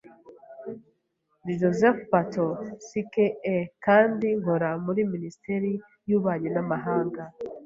Ndi Josef Pato čka kandi nkora muri Minisiteri y'Ububanyi n'Amahanga.